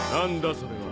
それは。